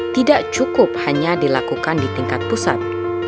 tidak cukup hanya dilakukan di tingkat pusat